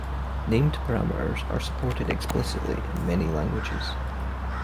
Named parameters are supported explicitly in many languages.